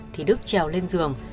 thì đức trèo lên giường